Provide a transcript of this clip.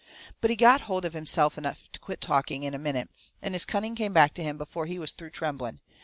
But he got hold of himself enough to quit talking, in a minute, and his cunning come back to him before he was through trembling.